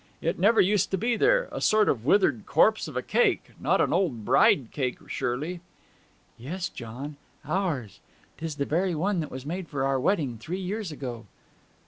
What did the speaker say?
It never used to be there. A sort of withered corpse of a cake not an old bride cake surely?' 'Yes, John, ours. 'Tis the very one that was made for our wedding three years ago.'